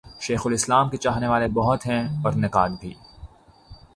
شیخ الاسلام کے چاہنے والے بہت ہیں اور نقاد بھی۔